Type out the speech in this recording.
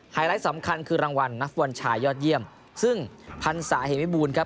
ไลท์สำคัญคือรางวัลนักฟุตบอลชายยอดเยี่ยมซึ่งพันศาเหวิบูรณ์ครับ